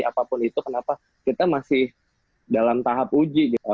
apapun itu kenapa kita masih dalam tahap uji gitu